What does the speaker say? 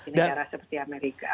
negara seperti amerika